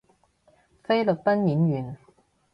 菲律賓演員